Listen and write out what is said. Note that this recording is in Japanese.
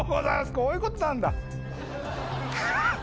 こういうことなんだ。